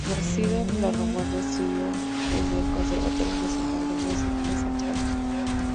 Nacido en la Romana estudió en el Conservatorio Nacional de Música de Santo Domingo.